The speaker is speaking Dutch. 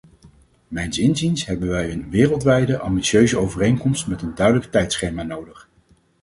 Mijns inziens hebben wij een wereldwijde, ambitieuze overeenkomst met een duidelijk tijdschema nodig.